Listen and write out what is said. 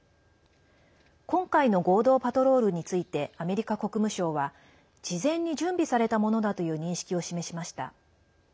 今回の合同パトロールについてアメリカ国務省は事前に準備されたものだという認識を示しました。